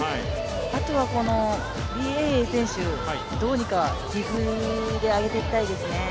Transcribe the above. あとはリ・エイエイ選手、どうにかディグで上げていきたいですね。